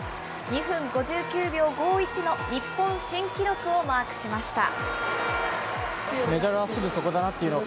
２分５９秒５１の日本新記録をマークしました。